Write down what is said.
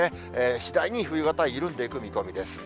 次第に冬型は緩んでいく見込みです。